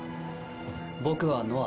僕はノア。